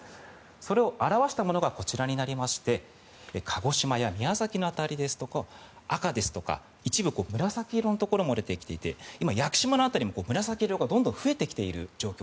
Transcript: それを表したものがこちらになりまして鹿児島や宮崎の辺りは赤ですとか一部、紫色のところも出てきていて今、屋久島の辺りも紫色がどんどん増えてきている状況。